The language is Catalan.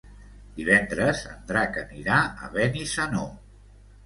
Divendres en Drac anirà a Benissanó.